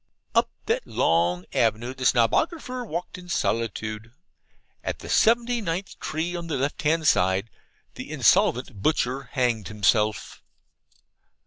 Up that long avenue the Snobographer walked in solitude. At the seventy ninth tree on the left hand side, the insolvent butcher hanged himself.